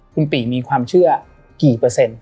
คุณปี่มีความเชื่อกี่เปอร์เซ็นต์